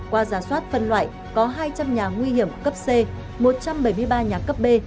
qua giả soát phân loại có hai trăm linh nhà nguy hiểm cấp c một trăm bảy mươi ba nhà cấp b